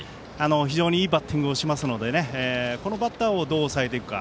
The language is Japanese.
非常にいいバッティングをしますのでこのバッターをどう抑えていくか。